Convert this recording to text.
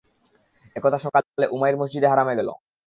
একদা সকালে উমাইর মসজিদে হারামে গেল।